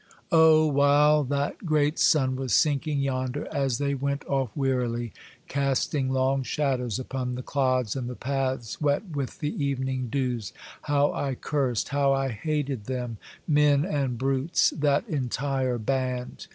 Oh ! while that great sun was sinking yonder, as they went off wearily, casting long shadows upon the clods and the paths wet with the evening dews, how I cursed, how I hated them, men and brutes, that entire band.